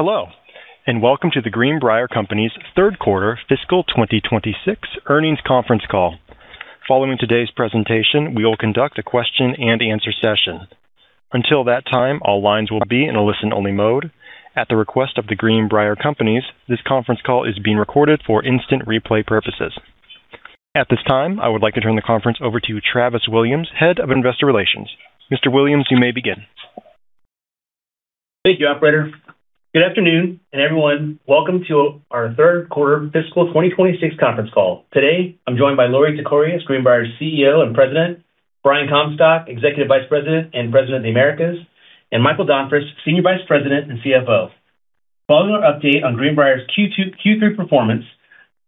Hello, welcome to The Greenbrier Companies Q3 fiscal 2026 earnings conference call. Following today's presentation, we will conduct a question-and-answer session. Until that time, all lines will be in a listen-only mode. At the request of The Greenbrier Companies, this conference call is being recorded for instant replay purposes. At this time, I would like to turn the conference over to Travis Williams, Head of Investor Relations. Mr. Williams, you may begin. Thank you, operator. Good afternoon, everyone, welcome to our Q3 fiscal 2026 conference call. Today, I'm joined by Lori Tekorius, Greenbrier's CEO and President, Brian Comstock, Executive Vice President and President of the Americas, and Michael Donfris, Senior Vice President and CFO. Following our update on Greenbrier's Q3 performance,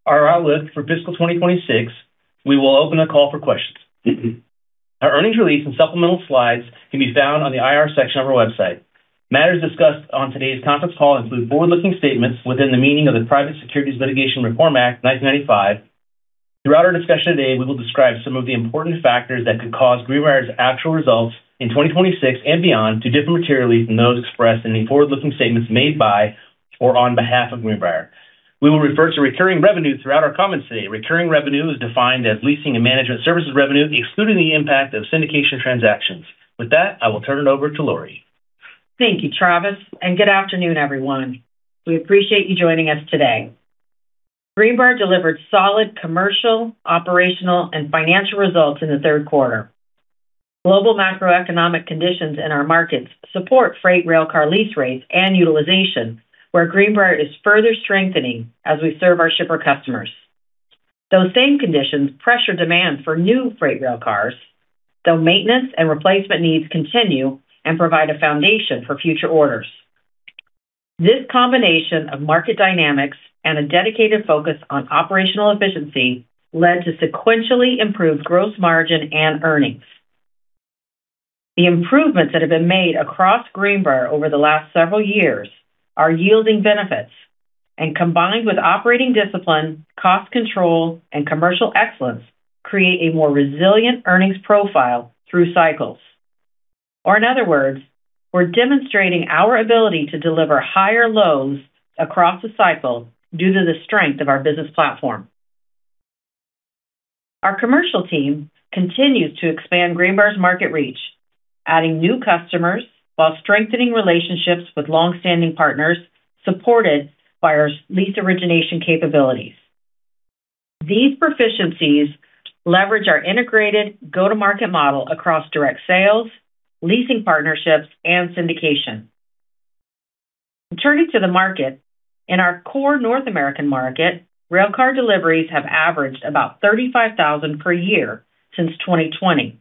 our outlook for fiscal 2026, we will open the call for questions. Our earnings release and supplemental slides can be found on the IR section of our website. Matters discussed on today's conference call include forward-looking statements within the meaning of the Private Securities Litigation Reform Act of 1995. Throughout our discussion today, we will describe some of the important factors that could cause Greenbrier's actual results in 2026 and beyond to differ materially from those expressed in any forward-looking statements made by or on behalf of Greenbrier. We will refer to recurring revenue throughout our comments today. Recurring revenue is defined as leasing and management services revenue, excluding the impact of syndication transactions. With that, I will turn it over to Lori. Thank you, Travis, good afternoon, everyone. We appreciate you joining us today. Greenbrier delivered solid commercial, operational, and financial results in the Q3. Global macroeconomic conditions in our markets support freight rail car lease rates and utilization, where Greenbrier is further strengthening as we serve our shipper customers. Those same conditions pressure demand for new freight rail cars, though maintenance and replacement needs continue and provide a foundation for future orders. This combination of market dynamics and a dedicated focus on operational efficiency led to sequentially improved gross margin and earnings. The improvements that have been made across Greenbrier over the last several years are yielding benefits, and combined with operating discipline, cost control, and commercial excellence, create a more resilient earnings profile through cycles. In other words, we're demonstrating our ability to deliver higher lows across the cycle due to the strength of our business platform. Our commercial team continues to expand Greenbrier's market reach, adding new customers while strengthening relationships with longstanding partners, supported by our lease origination capabilities. These proficiencies leverage our integrated go-to-market model across direct sales, leasing partnerships, and syndication. Turning to the market, in our core North American market, railcar deliveries have averaged about 35,000 per year since 2020.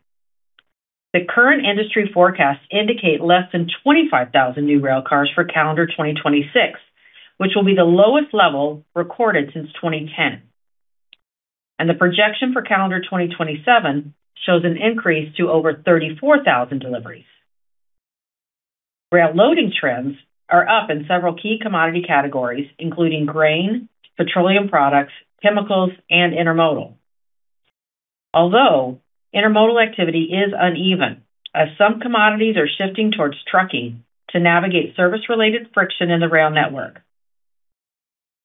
The current industry forecasts indicate less than 25,000 new railcars for calendar 2026, which will be the lowest level recorded since 2010. The projection for calendar 2027 shows an increase to over 34,000 deliveries. Rail loading trends are up in several key commodity categories, including grain, petroleum products, chemicals, and intermodal. Although intermodal activity is uneven, as some commodities are shifting towards trucking to navigate service-related friction in the rail network.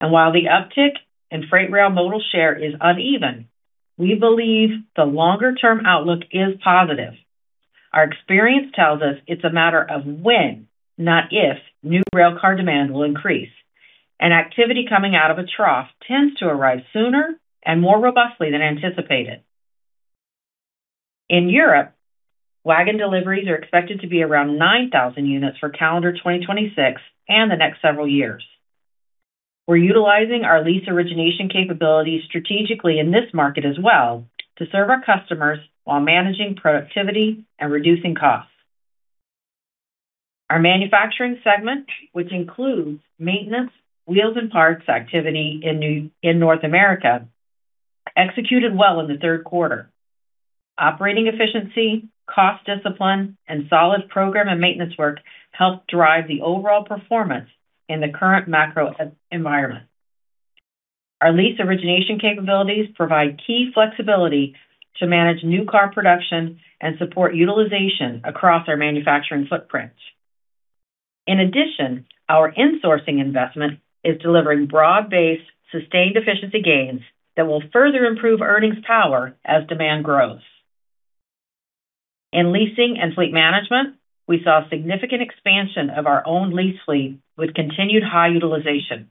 While the uptick in freight rail modal share is uneven, we believe the longer-term outlook is positive. Our experience tells us it's a matter of when, not if, new railcar demand will increase. An activity coming out of a trough tends to arrive sooner and more robustly than anticipated. In Europe, wagon deliveries are expected to be around 9,000 units for calendar 2026 and the next several years. We're utilizing our lease origination capabilities strategically in this market as well to serve our customers while managing productivity and reducing costs. Our manufacturing segment, which includes maintenance, wheels, and parts activity in North America, executed well in the Q3. Operating efficiency, cost discipline, and solid program and maintenance work helped drive the overall performance in the current macro environment. Our lease origination capabilities provide key flexibility to manage new car production and support utilization across our manufacturing footprints. In addition, our insourcing investment is delivering broad-based sustained efficiency gains that will further improve earnings power as demand grows. In leasing and fleet management, we saw significant expansion of our own lease fleet with continued high utilization.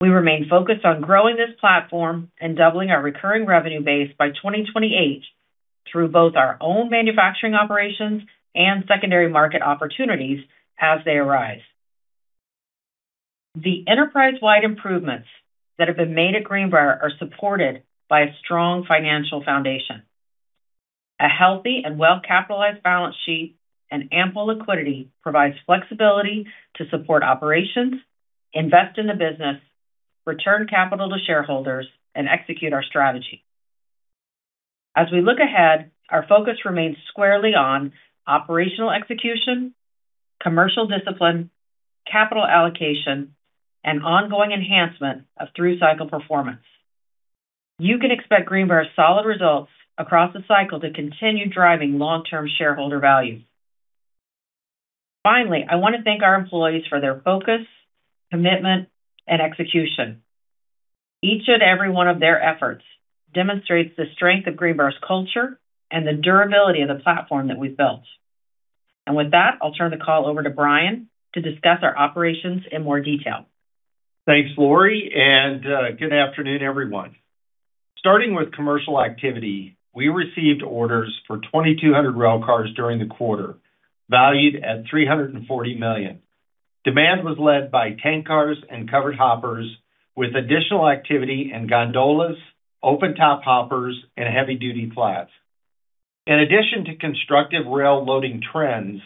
We remain focused on growing this platform and doubling our recurring revenue base by 2028 through both our own manufacturing operations and secondary market opportunities as they arise. The enterprise-wide improvements that have been made at Greenbrier are supported by a strong financial foundation. A healthy and well-capitalized balance sheet and ample liquidity provide flexibility to support operations, invest in the business, return capital to shareholders, and execute our strategy. As we look ahead, our focus remains squarely on operational execution, commercial discipline, capital allocation, and ongoing enhancement of through-cycle performance. You can expect Greenbrier's solid results across the cycle to continue driving long-term shareholder value. Finally, I want to thank our employees for their focus, commitment, and execution. Each and every one of their efforts demonstrates the strength of Greenbrier's culture and the durability of the platform that we've built. With that, I'll turn the call over to Brian to discuss our operations in more detail. Thanks, Lori, good afternoon, everyone. Starting with commercial activity, we received orders for 2,200 railcars during the quarter, valued at $340 million. Demand was led by tank cars and covered hoppers, with additional activity in gondolas, open top hoppers, and heavy-duty flats. In addition to constructive rail loading trends,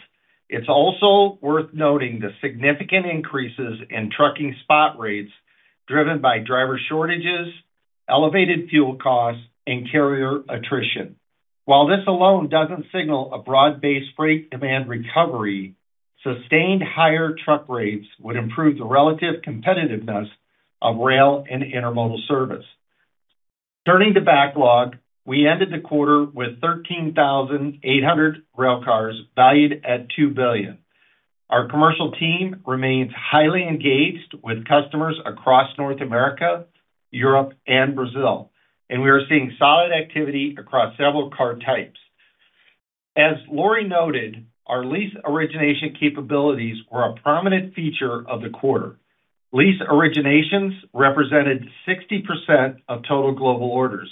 it's also worth noting the significant increases in trucking spot rates driven by driver shortages, elevated fuel costs, and carrier attrition. While this alone doesn't signal a broad-based freight demand recovery, sustained higher truck rates would improve the relative competitiveness of rail and intermodal service. Turning to backlog, we ended the quarter with 13,800 railcars valued at $2 billion. Our commercial team remains highly engaged with customers across North America, Europe, and Brazil. We are seeing solid activity across several car types. As Lori noted, our lease origination capabilities were a prominent feature of the quarter. Lease originations represented 60% of total global orders,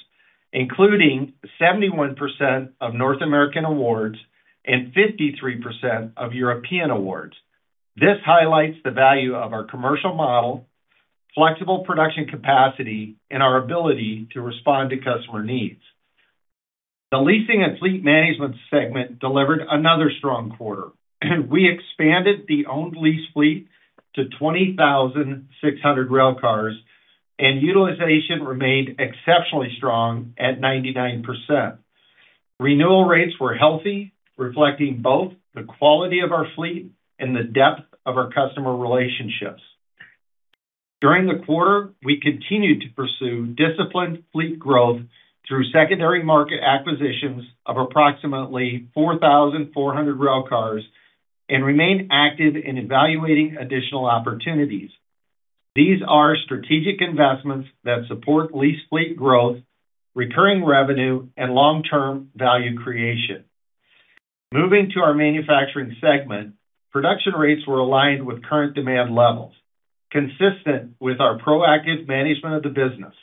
including 71% of North American awards and 53% of European awards. This highlights the value of our commercial model, flexible production capacity, and our ability to respond to customer needs. The leasing and fleet management segment delivered another strong quarter. We expanded the owned lease fleet to 20,600 railcars, and utilization remained exceptionally strong at 99%. Renewal rates were healthy, reflecting both the quality of our fleet and the depth of our customer relationships. During the quarter, we continued to pursue disciplined fleet growth through secondary market acquisitions of approximately 4,400 railcars and remained active in evaluating additional opportunities. These are strategic investments that support lease fleet growth, recurring revenue, and long-term value creation. Moving to our manufacturing segment, production rates were aligned with current demand levels. Consistent with our proactive management of the business,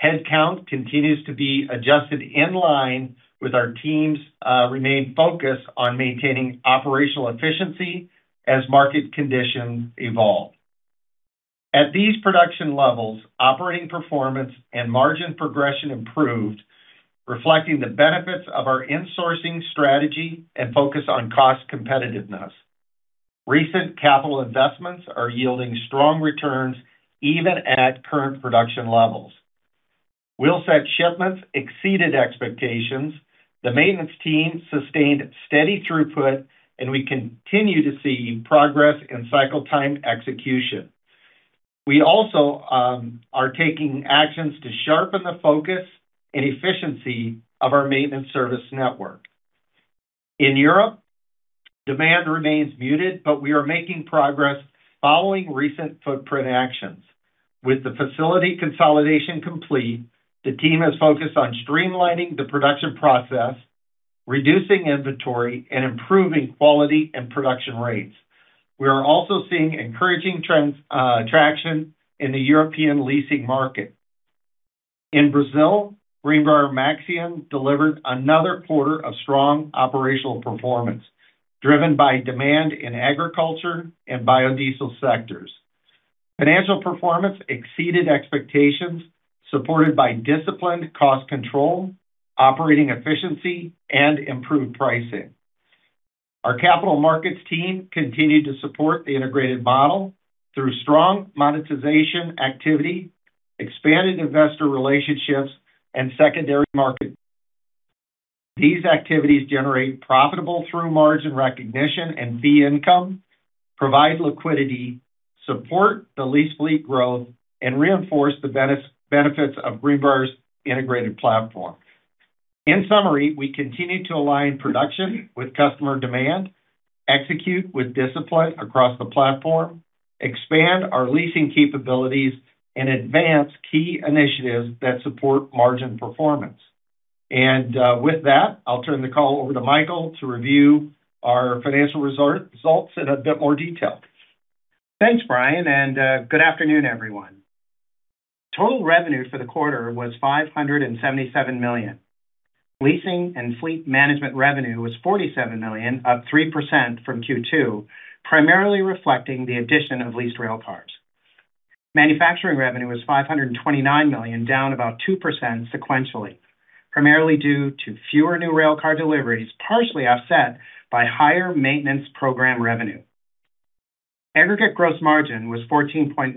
headcount continues to be adjusted in line with our teams remaining focused on maintaining operational efficiency as market conditions evolve. At these production levels, operating performance and margin progression improved, reflecting the benefits of our insourcing strategy and focus on cost competitiveness. Recent capital investments are yielding strong returns even at current production levels. Wheel set shipments exceeded expectations. The maintenance team sustained steady throughput. We continue to see progress in cycle time execution. We also are taking actions to sharpen the focus and efficiency of our maintenance service network. In Europe, demand remains muted. We are making progress following recent footprint actions. With the facility consolidation complete, the team has focused on streamlining the production process, reducing inventory, and improving quality and production rates. We are also seeing encouraging traction in the European leasing market. In Brazil, Greenbrier Maxion delivered another quarter of strong operational performance driven by demand in agriculture and biodiesel sectors. Financial performance exceeded expectations, supported by disciplined cost control, operating efficiency, and improved pricing. Our capital markets team continued to support the integrated model through strong monetization activity, expanded investor relationships, and secondary market. These activities generate profitable through margin recognition and fee income, provide liquidity, support the lease fleet growth, and reinforce the benefits of Greenbrier's integrated platform. In summary, we continue to align production with customer demand, execute with discipline across the platform, expand our leasing capabilities, and advance key initiatives that support margin performance. With that, I'll turn the call over to Michael to review our financial results in a bit more detail. Thanks, Brian, and good afternoon, everyone. Total revenue for the quarter was $577 million. Leasing and fleet management revenue was $47 million, up 3% from Q2, primarily reflecting the addition of leased railcars. Manufacturing revenue was $529 million, down about 2% sequentially, primarily due to fewer new railcar deliveries, partially offset by higher maintenance program revenue. Aggregate gross margin was 14.1%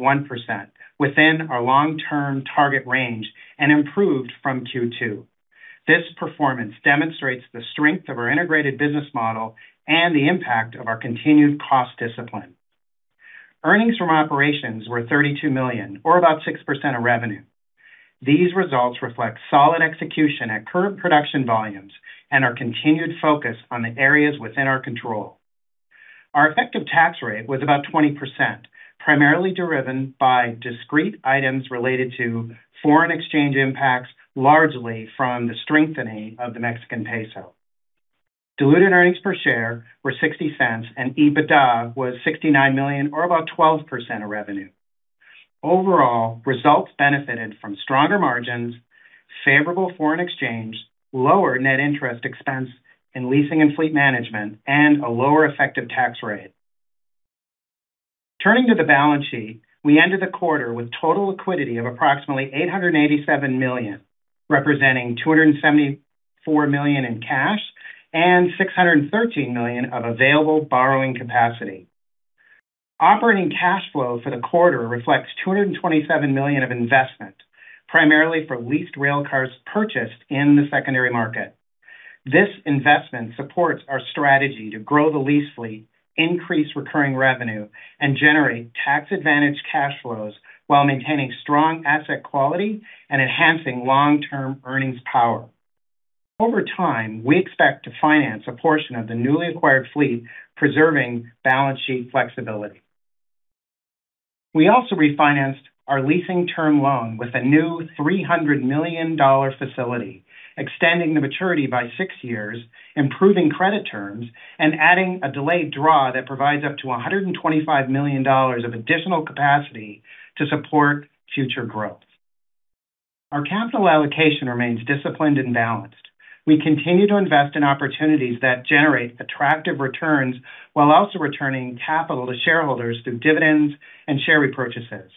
within our long-term target range and improved from Q2. This performance demonstrates the strength of our integrated business model and the impact of our continued cost discipline. Earnings from operations were $32 million, or about 6% of revenue. These results reflect solid execution at current production volumes and our continued focus on the areas within our control. Our effective tax rate was about 20%, primarily driven by discrete items related to foreign exchange impacts, largely from the strengthening of the Mexican peso. Diluted earnings per share were $0.60, and EBITDA was $69 million, or about 12% of revenue. Overall, results benefited from stronger margins, favorable foreign exchange, lower net interest expense in leasing and fleet management, and a lower effective tax rate. Turning to the balance sheet, we ended the quarter with total liquidity of approximately $887 million, representing $274 million in cash and $613 million of available borrowing capacity. Operating cash flow for the quarter reflects $227 million of investment, primarily for leased railcars purchased in the secondary market. This investment supports our strategy to grow the lease fleet, increase recurring revenue, and generate tax-advantaged cash flows while maintaining strong asset quality and enhancing long-term earnings power. Over time, we expect to finance a portion of the newly acquired fleet, preserving balance sheet flexibility. We also refinanced our leasing term loan with a new $300 million facility, extending the maturity by six years, improving credit terms, and adding a delayed draw that provides up to $125 million of additional capacity to support future growth. Our capital allocation remains disciplined and balanced. We continue to invest in opportunities that generate attractive returns while also returning capital to shareholders through dividends and share repurchases.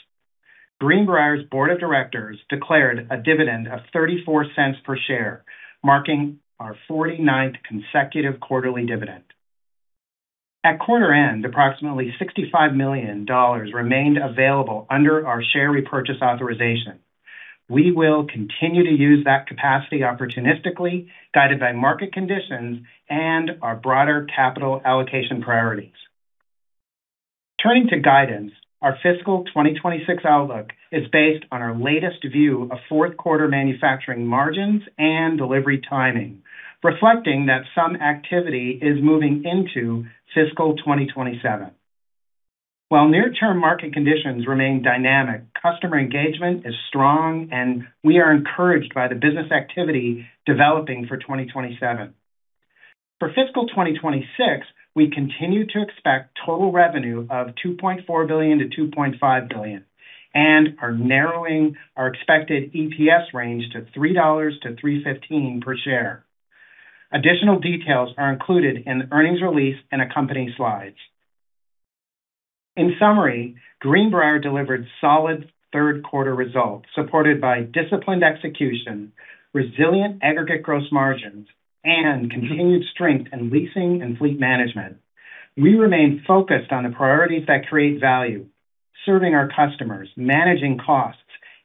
Greenbrier's Board of Directors declared a dividend of $0.34 per share, marking our 49th consecutive quarterly dividend. At quarter end, approximately $65 million remained available under our share repurchase authorization. We will continue to use that capacity opportunistically, guided by market conditions and our broader capital allocation priorities. Turning to guidance, our fiscal 2026 outlook is based on our latest view of Q4 manufacturing margins and delivery timing, reflecting that some activity is moving into fiscal 2027. While near-term market conditions remain dynamic, customer engagement is strong, and we are encouraged by the business activity developing for 2027. For fiscal 2026, we continue to expect total revenue of $2.4-$2.5 billion and are narrowing our expected EPS range to $3-$3.15 per share. Additional details are included in the earnings release and accompanying slides. In summary, Greenbrier delivered solid Q3 results supported by disciplined execution, resilient aggregate gross margins, and continued strength in leasing and fleet management. We remain focused on the priorities that create value, serving our customers, managing costs,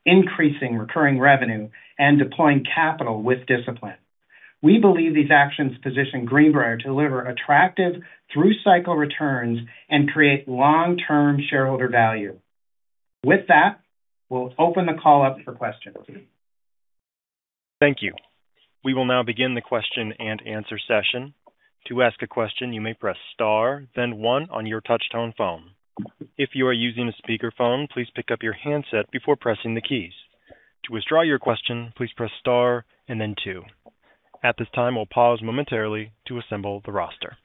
increasing recurring revenue, and deploying capital with discipline. We believe these actions position Greenbrier to deliver attractive through-cycle returns and create long-term shareholder value. With that, we'll open the call up for questions. Thank you. We will now begin the question-and-answer session. To ask a question, you may press star then one on your touch tone phone. If you are using a speakerphone, please pick up your handset before pressing the keys. To withdraw your question, please press star and then two. At this time, we'll pause momentarily to assemble the roster.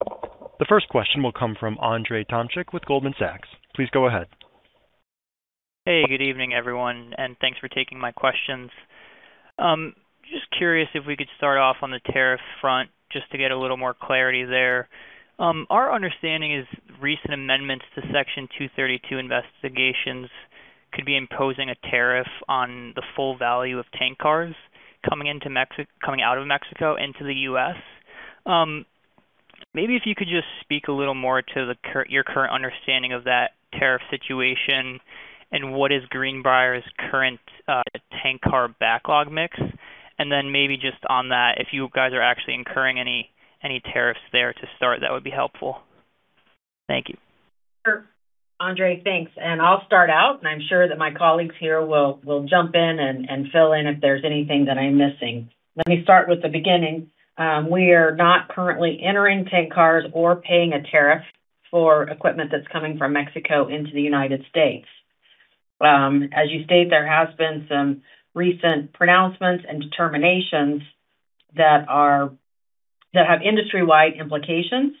The first question will come from Andre Tomchik with Goldman Sachs. Please go ahead. Hey, good evening, everyone, and thanks for taking my questions. Just curious if we could start off on the tariff front just to get a little more clarity there. Our understanding is recent amendments to Section 232 investigations could be imposing a tariff on the full value of tank cars coming out of Mexico into the U.S. Maybe if you could just speak a little more to your current understanding of that tariff situation and what is Greenbrier's current tank car backlog mix, and then maybe just on that, if you guys are actually incurring any tariffs there to start, that would be helpful. Thank you. Sure. Andre, thanks. I'll start out, and I'm sure that my colleagues here will jump in and fill in if there's anything that I'm missing. Let me start with the beginning. We are not currently entering tank cars or paying a tariff for equipment that's coming from Mexico into the United States. As you state, there has been some recent pronouncements and determinations that have industry-wide implications,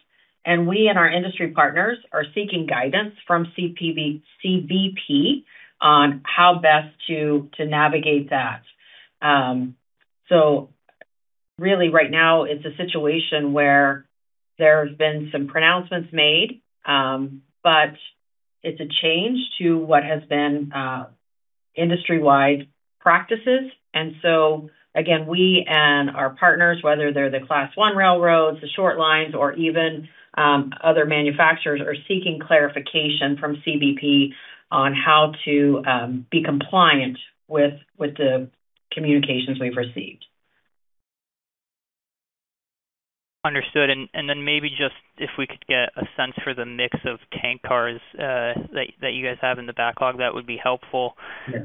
and we and our industry partners are seeking guidance from CBP on how best to navigate that. Really right now it's a situation where there's been some pronouncements made, but it's a change to what has been industry-wide practices. Again, we and our partners, whether they're the Class I railroads, the short lines, or even other manufacturers, are seeking clarification from CBP on how to be compliant with the communications we've received. Understood. Maybe just if we could get a sense for the mix of tank cars that you guys have in the backlog, that would be helpful. Yeah.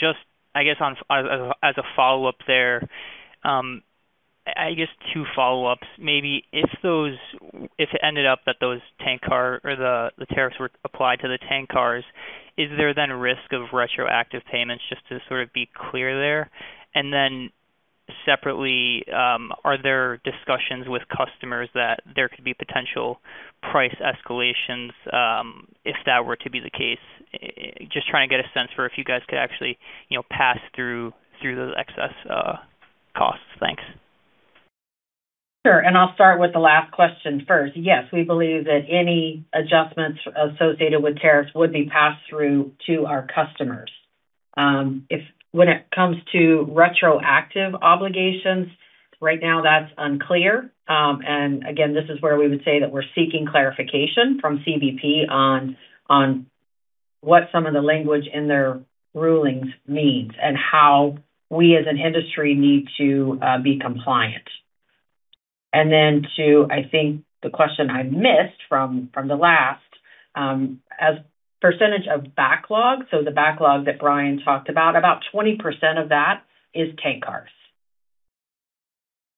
Just, I guess, as a follow-up there, I guess two follow-ups, maybe. If it ended up that the tariffs were applied to the tank cars, is there then a risk of retroactive payments just to sort of be clear there? Separately, are there discussions with customers that there could be potential price escalations if that were to be the case? Just trying to get a sense for if you guys could actually pass through those excess costs. Thanks. Sure. I'll start with the last question first. Yes, we believe that any adjustments associated with tariffs would be passed through to our customers. When it comes to retroactive obligations, right now that's unclear. Again, this is where we would say that we're seeking clarification from CBP on what some of the language in their rulings means and how we as an industry need to be compliant. Then to, I think, the question I missed from the last, as percentage of backlog, so the backlog that Brian talked about 20% of that is tank cars.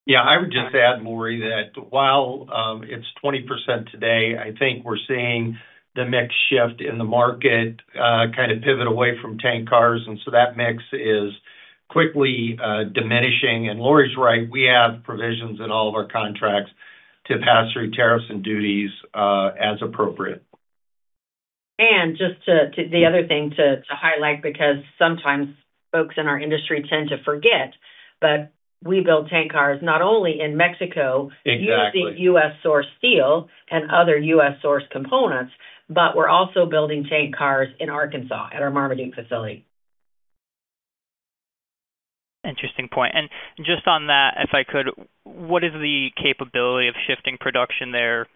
Yeah. I would just add, Lori, that while it's 20% today, I think we're seeing the mix shift in the market kind of pivot away from tank cars. So that mix is quickly diminishing. Lori's right, we have provisions in all of our contracts to pass through tariffs and duties as appropriate. Just the other thing to highlight, because sometimes folks in our industry tend to forget, we build tank cars not only in Mexico using U.S.-sourced steel and other U.S.-sourced components, but we're also building tank cars in Arkansas at our Marmaduke facility. Interesting point. Just on that, if I could, what is the capability of shifting production there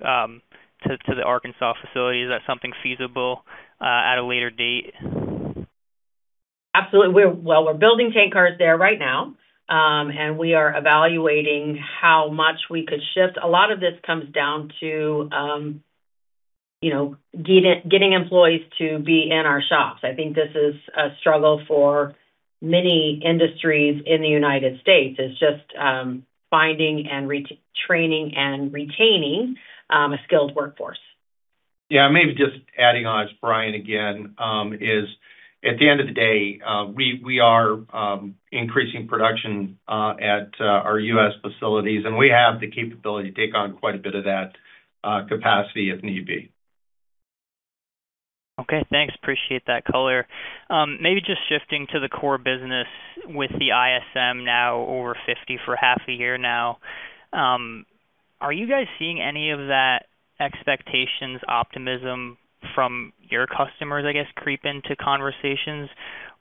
to the Arkansas facility? Is that something feasible at a later date? Absolutely. Well, we're building tank cars there right now. We are evaluating how much we could shift. A lot of this comes down to getting employees to be in our shops. I think this is a struggle for many industries in the United States, is just finding and training and retaining a skilled workforce. Yeah, maybe just adding on, it's Brian again. At the end of the day, we are increasing production at our U.S. facilities, and we have the capability to take on quite a bit of that capacity if need be. Okay, thanks. Appreciate that color. Maybe just shifting to the core business with the ISM now over 50 for half a year now. Are you guys seeing any of those expectations, optimism from your customers, I guess, creep into conversations?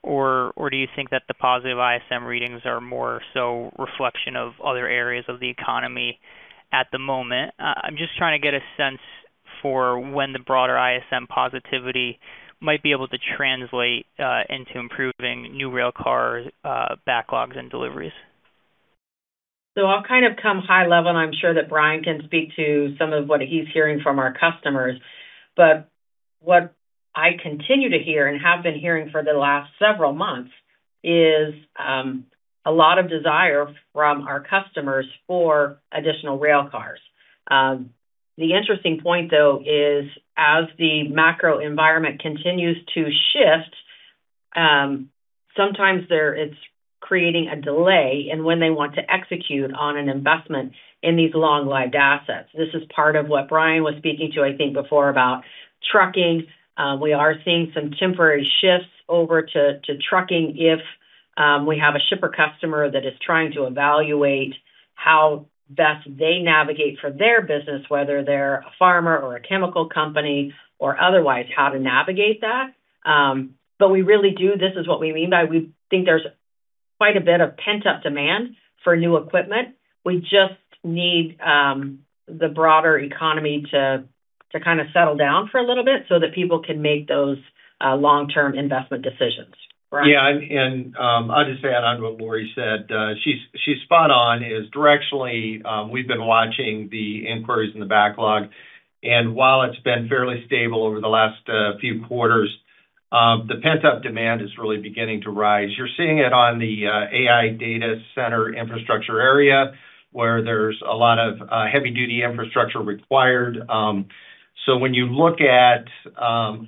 Or do you think that the positive ISM readings are more so reflection of other areas of the economy at the moment? I'm just trying to get a sense for when the broader ISM positivity might be able to translate into improving new rail car backlogs and deliveries. I'll kind of come high level, and I'm sure that Brian can speak to some of what he's hearing from our customers. What I continue to hear and have been hearing for the last several months is a lot of desire from our customers for additional rail cars. The interesting point, though, is as the macro environment continues to shift, sometimes it's creating a delay in when they want to execute on an investment in these long-lived assets. This is part of what Brian was speaking to, I think, before about trucking. We are seeing some temporary shifts over to trucking if we have a shipper customer that is trying to evaluate how best they navigate for their business, whether they're a farmer or a chemical company or otherwise, how to navigate that. This is what we mean by we think there's quite a bit of pent-up demand for new equipment. We just need the broader economy to kind of settle down for a little bit so that people can make those long-term investment decisions. Brian? Yeah, I'll just add onto what Lori said. She's spot on. Directionally, we've been watching the inquiries in the backlog, and while it's been fairly stable over the last few quarters, the pent-up demand is really beginning to rise. You're seeing it on the AI data center infrastructure area, where there's a lot of heavy-duty infrastructure required. When you look at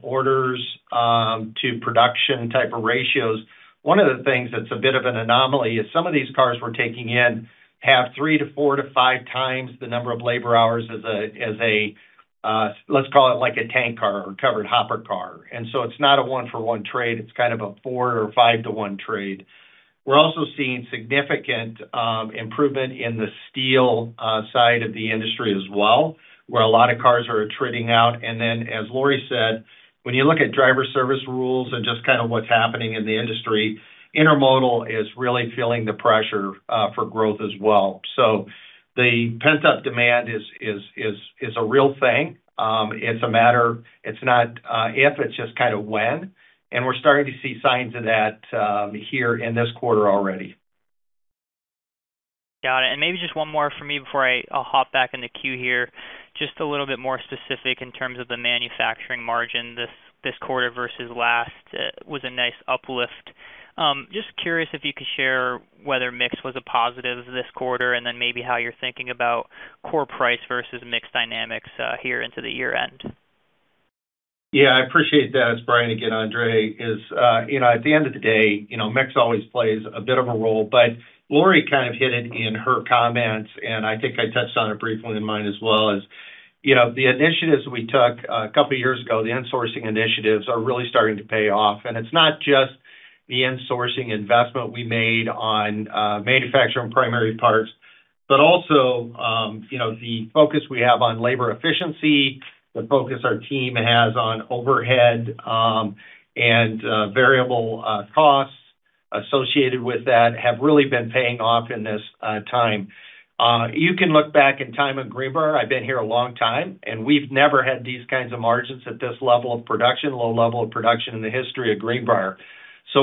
orders to production type of ratios, one of the things that's a bit of an anomaly is some of these cars we're taking in have three to four to five times the number of labor hours as a, let's call it like a tank car or covered hopper car. It's not a one-for-one trade, it's kind of a four or five-to-one trade. We're also seeing significant improvement in the steel side of the industry as well, where a lot of cars are attriting out. As Lori said, when you look at driver service rules and just kind of what's happening in the industry, intermodal is really feeling the pressure for growth as well. The pent-up demand is a real thing. It's not if, it's just kind of when, and we're starting to see signs of that here in this quarter already. Got it. Maybe just one more from me before I hop back in the queue here. Just a little bit more specific in terms of the manufacturing margin this quarter versus last was a nice uplift. Just curious if you could share whether mix was a positive this quarter and then maybe how you're thinking about core price versus mix dynamics here into the year-end. Yeah, I appreciate that. It's Brian again, Andre. At the end of the day, mix always plays a bit of a role, but Lori kind of hit it in her comments, and I think I touched on it briefly in mine as well is, the initiatives we took a couple of years ago, the insourcing initiatives are really starting to pay off. It's not just the insourcing investment we made on manufacturing primary parts, but also the focus we have on labor efficiency, the focus our team has on overhead, and variable costs associated with that have really been paying off in this time. You can look back in time at Greenbrier. I've been here a long time, and we've never had these kinds of margins at this level of production, low level of production in the history of Greenbrier.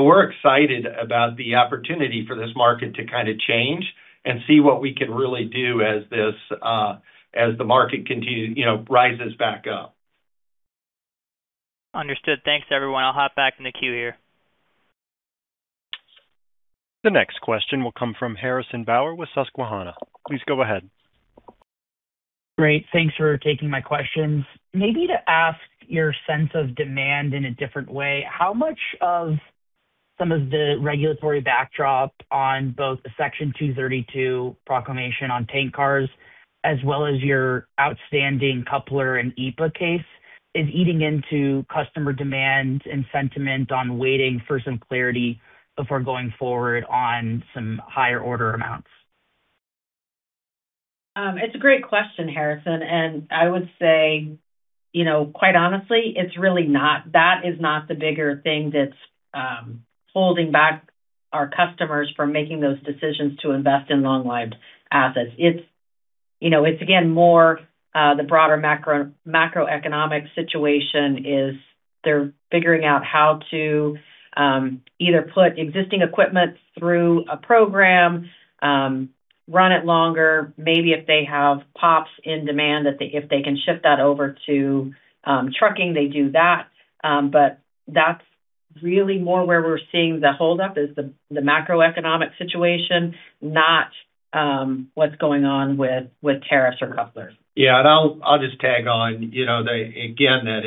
We're excited about the opportunity for this market to kind of change and see what we can really do as the market rises back up. Understood. Thanks, everyone. I'll hop back in the queue here. The next question will come from Harrison Bauer with Susquehanna. Please go ahead. Great. Thanks for taking my questions. Maybe to ask your sense of demand in a different way, how much of some of the regulatory backdrop on both the Section 232 proclamation on tank cars, as well as your outstanding coupler and EAPA case is eating into customer demand and sentiment on waiting for some clarity before going forward on some higher order amounts? It's a great question, Harrison, and I would say, quite honestly, that is not the bigger thing that's holding back our customers from making those decisions to invest in long-lived assets. It's again, more the broader macroeconomic situation is they're figuring out how to either put existing equipment through a program, run it longer, maybe if they have pops in demand, if they can shift that over to trucking, they do that. That's really more where we're seeing the hold up is the macroeconomic situation, not what's going on with tariffs or couplers. Yeah, I'll just tag on. Again, that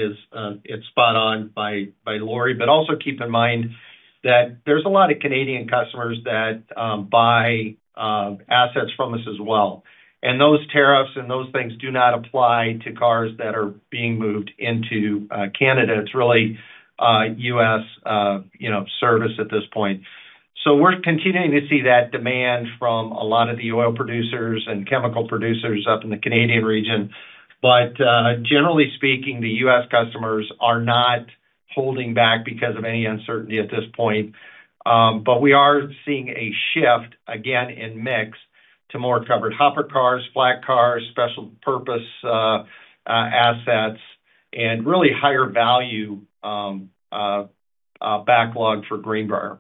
is spot on by Lori. Also keep in mind that there's a lot of Canadian customers that buy assets from us as well. Those tariffs and those things do not apply to cars that are being moved into Canada. It's really U.S. service at this point. We're continuing to see that demand from a lot of the oil producers and chemical producers up in the Canadian region. Generally speaking, the U.S. customers are not holding back because of any uncertainty at this point. We are seeing a shift again in mix to more covered hopper cars, flat cars, special purpose assets, and really higher value backlog for Greenbrier.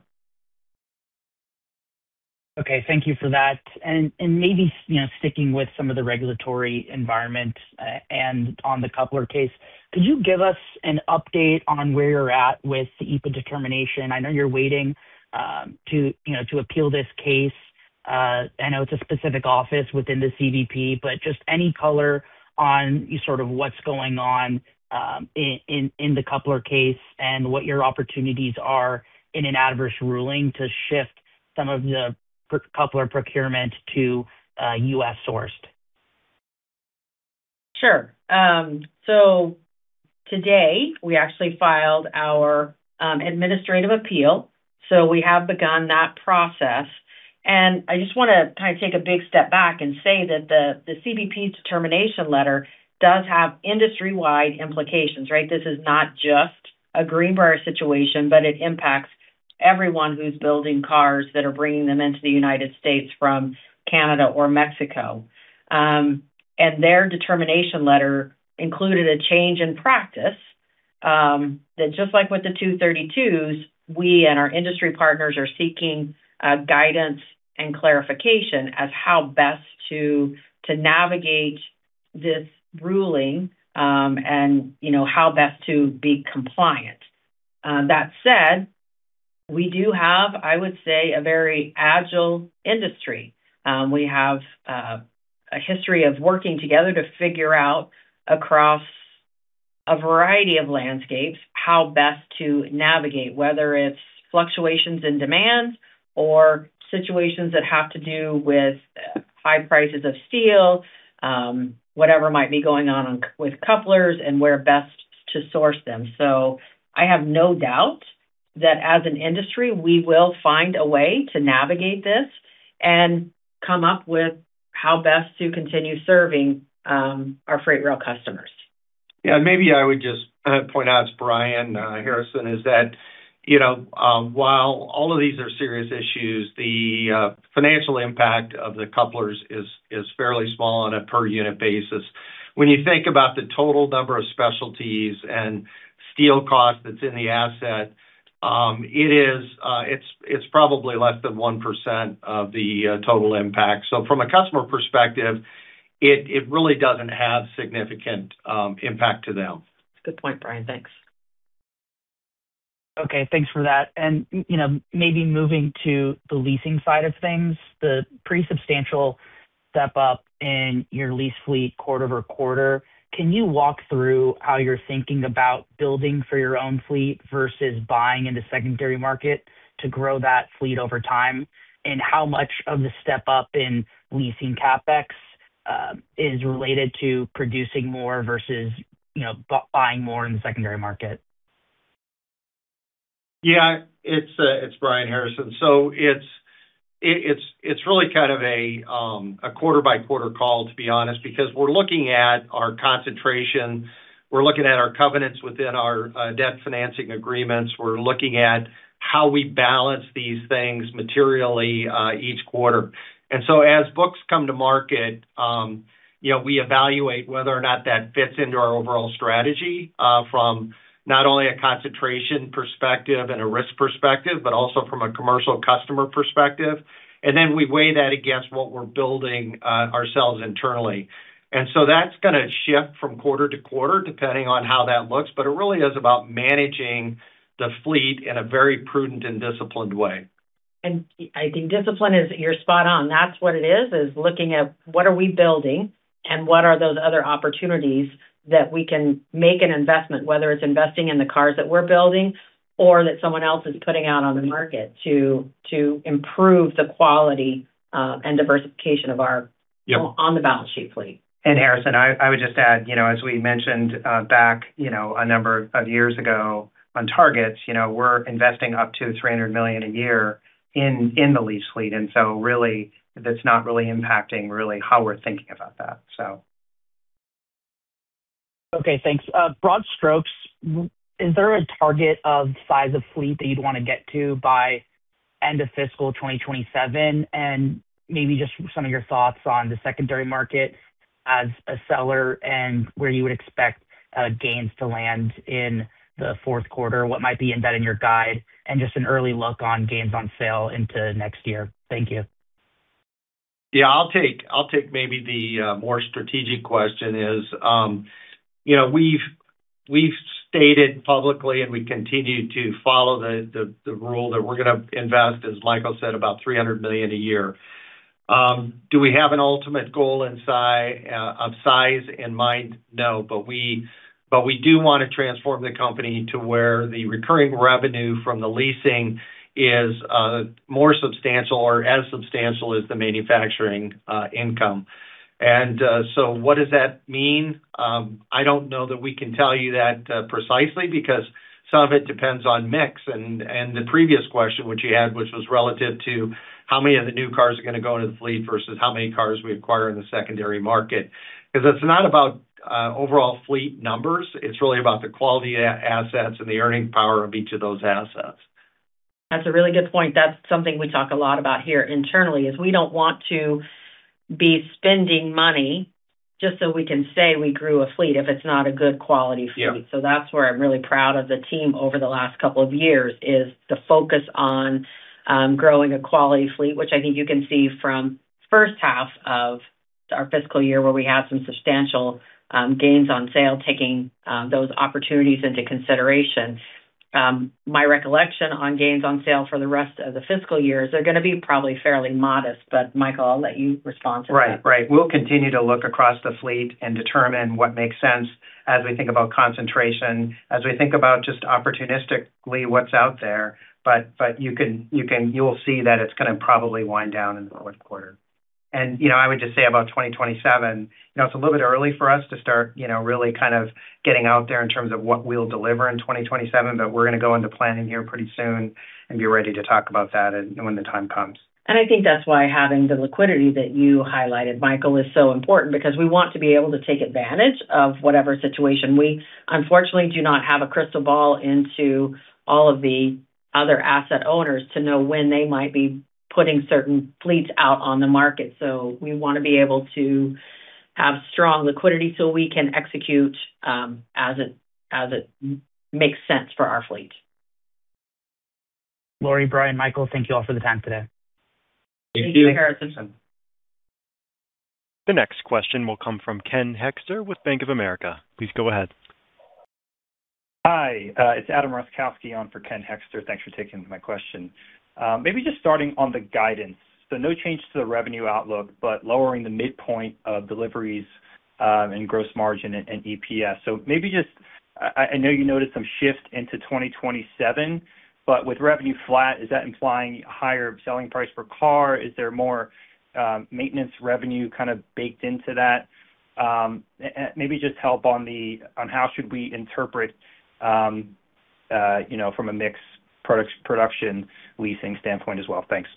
Okay. Thank you for that. Maybe sticking with some of the regulatory environment and on the coupler case, could you give us an update on where you're at with the EAPA determination? I know you're waiting to appeal this case. I know it's a specific office within the CBP, just any color on sort of what's going on in the coupler case and what your opportunities are in an adverse ruling to shift some of the coupler procurement to U.S.-sourced. Sure. Today, we actually filed our administrative appeal. We have begun that process. I just want to take a big step back and say that the CBP's determination letter does have industry-wide implications, right? This is not just a Greenbrier situation; it impacts everyone who's building cars that are bringing them into the United States from Canada or Mexico. Their determination letter included a change in practice that just like with the 232s, we and our industry partners are seeking guidance and clarification as how best to navigate this ruling and how best to be compliant. That said, we do have, I would say, a very agile industry. We have a history of working together to figure out across a variety of landscapes how best to navigate, whether it's fluctuations in demand or situations that have to do with high prices of steel, whatever might be going on with couplers and where best to source them. I have no doubt that as an industry, we will find a way to navigate this and come up with how best to continue serving our freight rail customers. Yeah, maybe I would just point out, it's Brian Harrison, is that while all of these are serious issues, the financial impact of the couplers is fairly small on a per unit basis. When you think about the total number of specialties and steel cost that's in the asset, it's probably less than 1% of the total impact. From a customer perspective, it really doesn't have significant impact to them. Good point, Brian. Thanks. Okay, thanks for that. Maybe moving to the leasing side of things, the pretty substantial step-up in your lease fleet quarter-over-quarter. Can you walk through how you're thinking about building for your own fleet versus buying in the secondary market to grow that fleet over time? How much of the step-up in leasing CapEx is related to producing more versus buying more in the secondary market? Yeah. It's Brian Harrison. It's really kind of a quarter-by-quarter call, to be honest, because we're looking at our concentration, we're looking at our covenants within our debt financing agreements. We're looking at how we balance these things materially each quarter. As books come to market, we evaluate whether or not that fits into our overall strategy from not only a concentration perspective and a risk perspective, but also from a commercial customer perspective. Then we weigh that against what we're building ourselves internally. That's going to shift from quarter-to-quarter, depending on how that looks. It really is about managing the fleet in a very prudent and disciplined way. I think discipline is, you're spot on. That's what it is looking at what are we building and what are those other opportunities that we can make an investment, whether it's investing in the cars that we're building or that someone else is putting out on the market to improve the quality and diversification on the balance sheet fleet. Harrison, I would just add, as we mentioned back a number of years ago on targets, we're investing up to $300 million a year in the lease fleet, really that's not really impacting really how we're thinking about that. Okay, thanks. Broad strokes, is there a target of size of fleet that you'd want to get to by end of fiscal 2027? Maybe just some of your thoughts on the secondary market as a seller and where you would expect gains to land in the Q4, what might be embedded in your guide, and just an early look on gains on sale into next year. Thank you. Yeah, I'll take maybe the more strategic question is, we've stated publicly, we continue to follow the rule that we're going to invest, as Michael said, about $300 million a year. Do we have an ultimate goal of size in mind? No, but we do want to transform the company to where the recurring revenue from the leasing is more substantial or as substantial as the manufacturing income. What does that mean? I don't know that we can tell you that precisely, because some of it depends on mix. The previous question which you had, which was relative to how many of the new cars are going to go into the fleet versus how many cars we acquire in the secondary market. It's not about overall fleet numbers. It's really about the quality of assets and the earning power of each of those assets. That's a really good point. That's something we talk a lot about here internally; is we don't want to be spending money just so we can say we grew a fleet if it's not a good quality fleet. That's where I'm really proud of the team over the last couple of years, is the focus on growing a quality fleet, which I think you can see from H1 of our fiscal year, where we have some substantial gains on sale, taking those opportunities into consideration. My recollection on gains on sale for the rest of the fiscal year is they're going to be probably fairly modest. Michael, I'll let you respond to that. Right. We'll continue to look across the fleet and determine what makes sense as we think about concentration, as we think about just opportunistically what's out there. You will see that it's going to probably wind down in the Q4. I would just say about 2027, it's a little bit early for us to start really kind of getting out there in terms of what we'll deliver in 2027. We're going to go into planning here pretty soon and be ready to talk about that when the time comes. I think that's why having the liquidity that you highlighted, Michael Donfris, is so important, because we want to be able to take advantage of whatever situation. We unfortunately do not have a crystal ball into all of the other asset owners to know when they might be putting certain fleets out on the market. We want to be able to have strong liquidity so we can execute as it makes sense for our fleet. Lori, Brian, Michael, thank you all for the time today. Thank you. Thank you. Thank you. The next question will come from Ken Hoexter with Bank of America. Please go ahead. Hi. It's Adam Rutkowski on for Ken Hoexter. Thanks for taking my question. Maybe just starting on the guidance. No change to the revenue outlook, lowering the midpoint of deliveries and gross margin and EPS. Maybe just, I know you noted some shift into 2027, with revenue flat, is that implying higher selling price per car? Is there more maintenance revenue kind of baked into that? Maybe just help on how we should interpret from a mix production leasing standpoint as well. Thanks.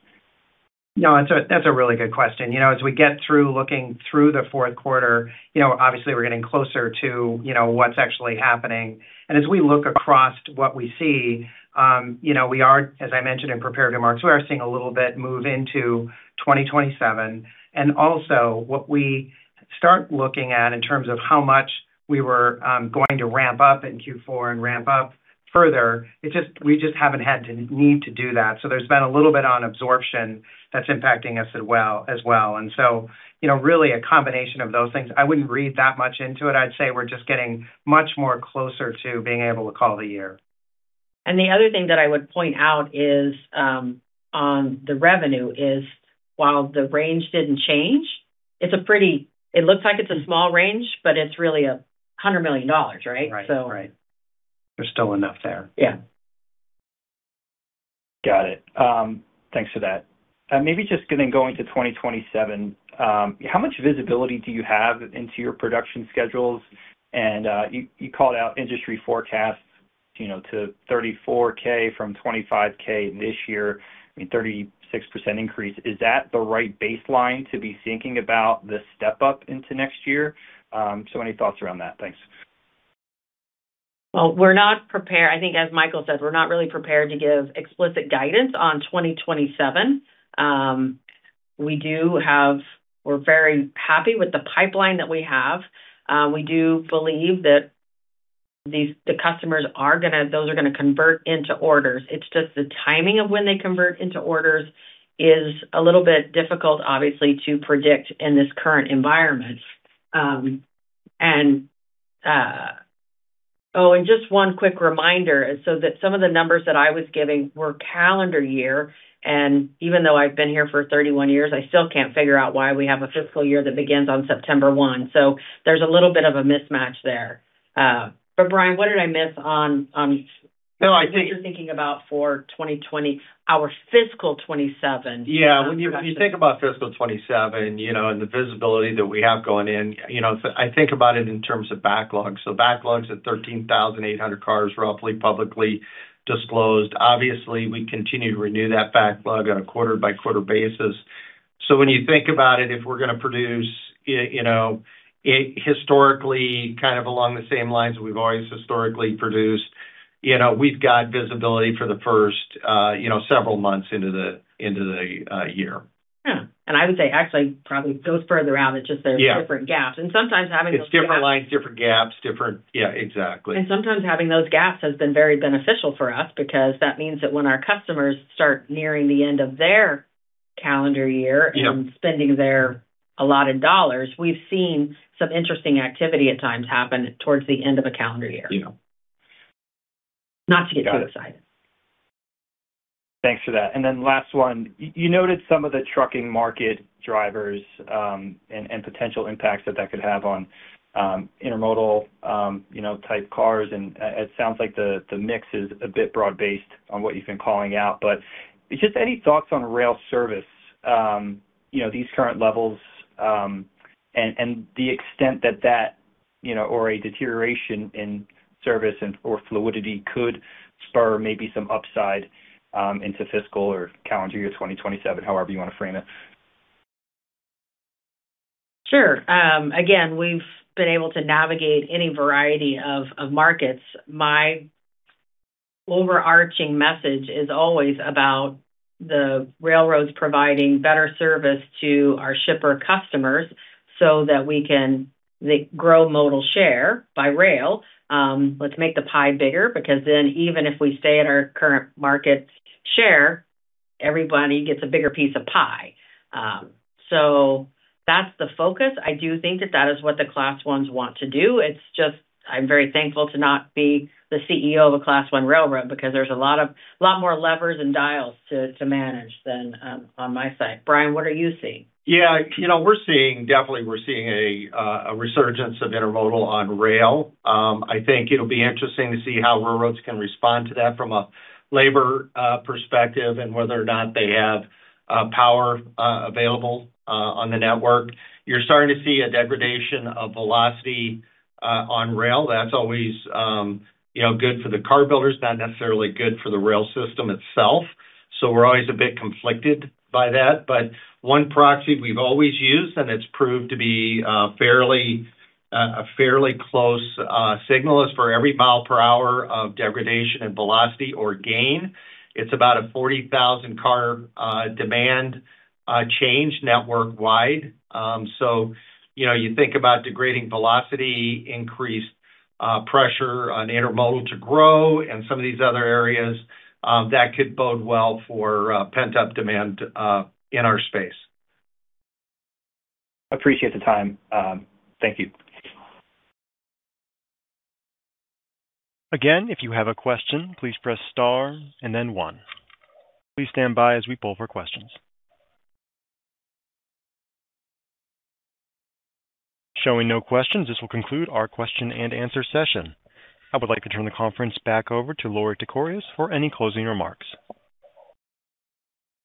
No, that's a really good question. As we get through looking through the Q4, obviously we're getting closer to what's actually happening. As we look across what we see, we are, as I mentioned in prepared remarks, we are seeing a little bit move into 2027. Also what we start looking at in terms of how much we were going to ramp up in Q4 and ramp up further, we just haven't had need to do that. There's been a little bit on absorption that's impacting us as well. Really a combination of those things. I wouldn't read that much into it. I'd say we're just getting much more closer to being able to call the year. The other thing that I would point out is, on the revenue is, while the range didn't change, it looks like it's a small range, but it's really $100 million, right? Right. There's still enough there. Yeah. Got it. Thanks for that. Maybe just going to 2027, how much visibility do you have into your production schedules? You called out industry forecasts to 34,000 from 25,000 this year, a 36% increase. Is that the right baseline to be thinking about the step-up into next year? Any thoughts around that? Thanks. Well, I think as Michael says, we're not really prepared to give explicit guidance on 2027. We're very happy with the pipeline that we have. We do believe that those are going to convert into orders. It's just the timing of when they convert into orders is a little bit difficult, obviously, to predict in this current environment. Oh, just one quick reminder, so that some of the numbers that I was giving were calendar year, and even though I've been here for 31 years, I still can't figure out why we have a fiscal year that begins on September one. There's a little bit of a mismatch there. Brian, what did I miss on No. What you're thinking about for our fiscal 2027. Yeah. When you think about fiscal 2027 and the visibility that we have going in, I think about it in terms of backlog. Backlogs at 13,800 cars, roughly publicly disclosed. Obviously, we continue to renew that backlog on a quarter-by-quarter basis. When you think about it, if we're going to produce historically along the same lines that we've always historically produced, we've got visibility for the first several months into the year. Yeah. I would say, actually, probably goes further out. It's just there's different gaps. It's different lines, different gaps. Yeah, exactly. Sometimes having those gaps has been very beneficial for us because that means that when our customers start nearing the end of their calendar year- spending their allotted dollars, we've seen some interesting activity at times happen towards the end of a calendar year. Not to get too excited. Thanks for that. Last one. You noted some of the trucking market drivers, and potential impacts that that could have on intermodal type cars, and it sounds like the mix is a bit broad-based on what you've been calling out. Just any thoughts on rail service, these current levels, and the extent that that, or a deterioration in service or fluidity could spur maybe some upside into fiscal or calendar year 2027, however you want to frame it? Sure. Again, we've been able to navigate any variety of markets. My overarching message is always about the railroads providing better service to our shipper customers so that we can grow modal share by rail. Let's make the pie bigger, because then even if we stay at our current market share, everybody gets a bigger piece of pie. That's the focus. I do think that that is what the Class Is wanting to do. It's just, I'm very thankful to not be the CEO of a Class I railroad because there's a lot more levers and dials to manage than on my side. Brian, what are you seeing? Yeah. Definitely we're seeing a resurgence of intermodal on rail. I think it'll be interesting to see how railroads can respond to that from a labor perspective and whether or not they have power available on the network. You're starting to see a degradation of velocity on rail. That's always good for the car builders, not necessarily good for the rail system itself. We're always a bit conflicted by that. One proxy we've always used, and it's proved to be a fairly close signal, is for every mile per hour of degradation in velocity or gain, it's about a 40,000-car demand change network wide. You think about degrading velocity, increased pressure on intermodal to grow and some of these other areas, that could bode well for pent-up demand in our space. Appreciate the time. Thank you. Again, if you have a question, please press star and then one. Please stand by as we poll for questions. Showing no questions, this will conclude our question-and-answer session. I would like to turn the conference back over to Lori Tekorius for any closing remarks.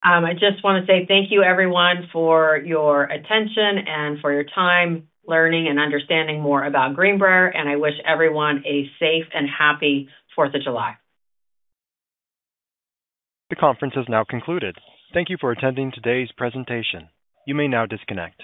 I just want to say thank you, everyone, for your attention and for your time learning and understanding more about Greenbrier, and I wish everyone a safe and happy 4th of July. The conference has now concluded. Thank you for attending today's presentation. You may now disconnect.